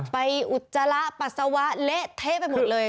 อุจจาระปัสสาวะเละเทะไปหมดเลย